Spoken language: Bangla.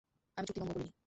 আমি চুক্তি ভঙ্গ করিনি।